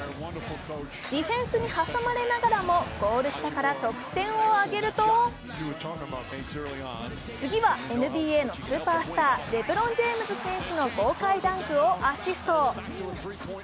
ディフェンスに挟まれながらもゴール下から得点を挙げると次は、ＮＢＡのスーパースター、レブロン・ジェームズ選手の豪快ダンクをアシスト。